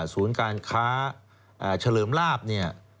ศูนย์การค้าเฉลิมลาบเนี่ย